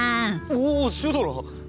おおシュドラ！